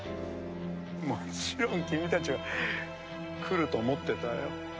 もちろん君たちは来ると思ってたよ。